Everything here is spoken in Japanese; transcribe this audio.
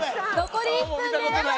残り１分です。